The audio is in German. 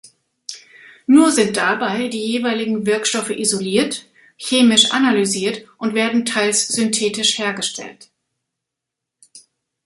Nur sind dabei die jeweiligen Wirkstoffe isoliert, chemisch analysiert und werden teils synthetisch hergestellt.